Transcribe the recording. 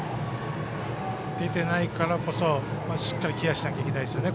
出てないからこそしっかりケアしなきゃいけないですよね。